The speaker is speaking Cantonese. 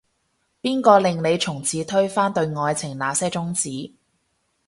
邊個令你從此推翻，對愛情那些宗旨